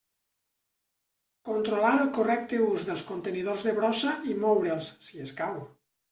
Controlar el correcte ús dels contenidors de brossa i moure'ls, si escau.